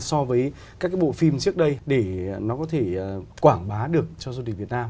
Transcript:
so với các cái bộ phim trước đây để nó có thể quảng bá được cho du lịch việt nam